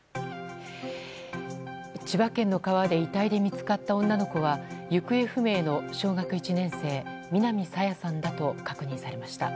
千葉県の川で遺体で見つかった女の子は行方不明の小学１年生南朝芽さんだと確認されました。